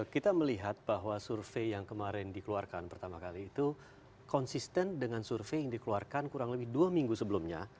kita melihat bahwa survei yang kemarin dikeluarkan pertama kali itu konsisten dengan survei yang dikeluarkan kurang lebih dua minggu sebelumnya